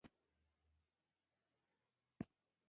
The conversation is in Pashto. یوه برخه د ورزشي ځایونو په اړه.